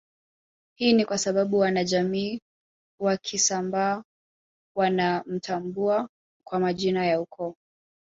Hii ni kwasababu wanajamii wa Kisambaa wanatambuana kwa majina ya ukoo